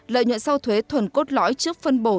lợi nhuận sau thuế thuần cốt lõi trước phân bổ